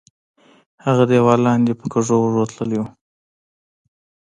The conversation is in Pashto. هغه دیوال لاندې په کږو وږو تللی وو.